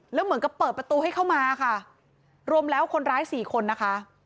แล้วเหมือนกับเปิดประตูให้เข้ามาค่ะรวมแล้วคนร้ายสี่คนนะคะ